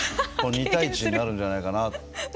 ２対１になるんじゃないかと。